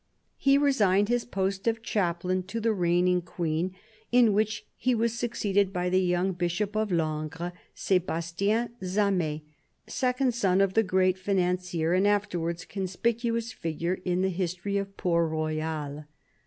He resigned his post of chaplain to the reigning Queen, in which he was succeeded by the young Bishop of Langres, Sebastien Zamet, second son of the great financier, and after wards a conspicuous figure in the history of Port Royal.